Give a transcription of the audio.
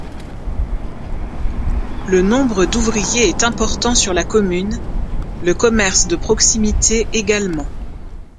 Le nombre d'ouvriers est important sur la commune, le commerce de proximité également.